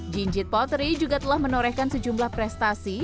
jinjit potri juga telah menorehkan sejumlah prestasi